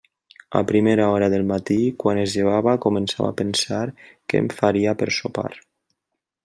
A primera hora del matí, quan es llevava, començava a pensar què em faria per sopar.